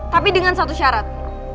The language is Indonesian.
tapi dengan satu syarat